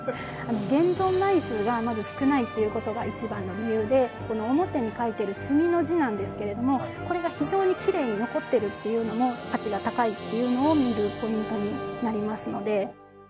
現存枚数がまず少ないということが一番の理由でこの表に書いてる墨の字なんですけれどもこれが非常にきれいに残ってるっていうのも価値が高いっていうのを見るポイントになりますので。